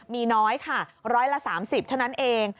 มีน้อยค่ะร้อยละ๓๐เท่านั้นเอง